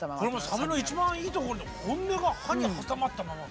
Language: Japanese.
サビの一番いいところで「本音が歯に挟まったまま」。